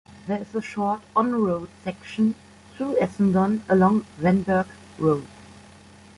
There is a short on road section through Essendon along Vanberg Road.